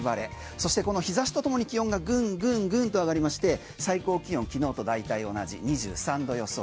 そして、この日差しとともに気温がぐんぐんと上がりまして最高気温昨日と大体同じ２３度予想。